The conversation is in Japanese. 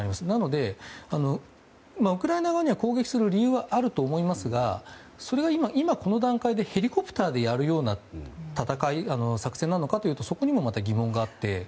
なので、ウクライナ側には攻撃する理由はあると思いますがそれが今、この段階でヘリコプターでやるような戦い、作戦なのかというとそこにもまた疑問があって。